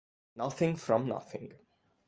Nothing from Nothing